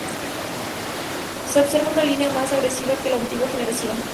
Se observa una línea más agresiva que la antigua generación.